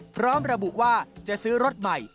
พร้อมระบุว่าจะซื้อรถใหม่